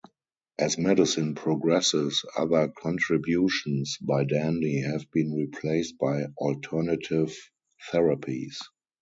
As medicine progresses, other contributions by Dandy have been replaced by alternative therapies.